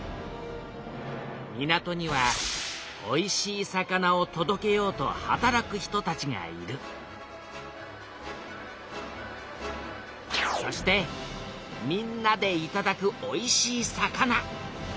港にはおいしい魚をとどけようと働く人たちがいるそしてみんなでいただくおいしい魚。